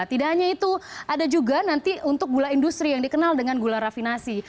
tidak hanya itu ada juga nanti untuk gula industri yang dikenal dengan gula rafinasi